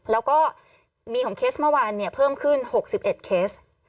แล้วก็มีของเคสเมื่อวานเพิ่มขึ้น๖๑เคส